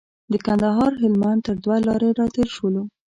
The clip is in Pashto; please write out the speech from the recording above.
د کندهار هلمند تر دوه لارې راتېر شولو.